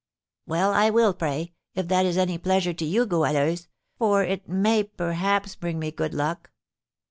"Well, I will pray, if that is any pleasure to you, Goualeuse, for it may perhaps bring me good luck.